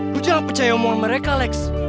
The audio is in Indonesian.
gue jangan percaya omongan mereka lex